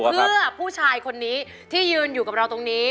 เพื่อผู้ชายคนนี้ที่ยืนอยู่กับเราตรงนี้